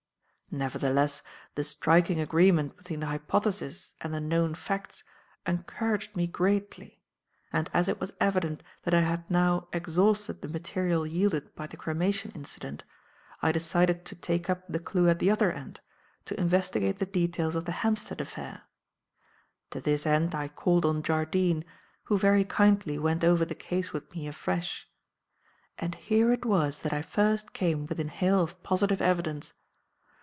"Nevertheless, the striking agreement between the hypothesis and the known facts encouraged me greatly; and, as it was evident that I had now exhausted the material yielded by the cremation incident, I decided to take up the clue at the other end; to investigate the details of the Hampstead affair. To this end I called on Jardine, who very kindly went over the case with me afresh. And here it was that I first came within hail of positive evidence.